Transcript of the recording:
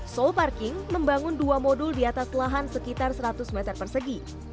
soul parking membangun dua modul di atas lahan sekitar seratus meter persegi